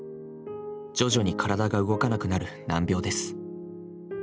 徐々に体が動かなくなる難病です。